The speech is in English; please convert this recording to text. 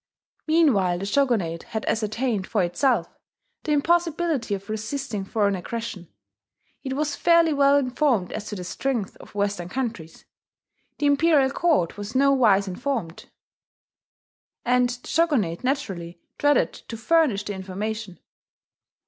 Meanwhile the Shogunate had ascertained for itself the impossibility of resisting foreign aggression: it was fairly well informed as to the strength of Western countries. The imperial court was nowise informed; and the Shogunate naturally dreaded to furnish the information.